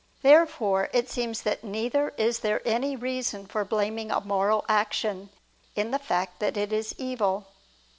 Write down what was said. Therefore it seems that neither is there any reason for blaming a moral action, in the fact that it is evil.